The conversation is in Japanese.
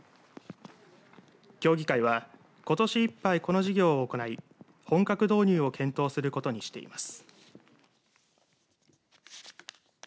協議会は、ことしいっぱいこの事業を行い本格導入を検討することにしています。